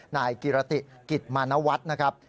นายกิรติกิจมานวัฒน์นะครับ